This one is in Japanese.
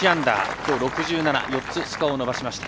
きょう６７４つスコアを伸ばしました。